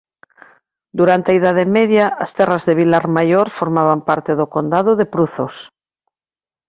Durante a idade media as terras de Vilarmaior formaban parte do condado de Pruzos.